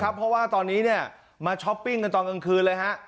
เพราะว่าตอนนี้มาช้อปปิ้งกันตอนกลางคืนเลยฮะ